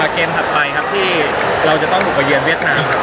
เกมต่อไปที่เราจะต้องหุ่นเบื้อกหนัง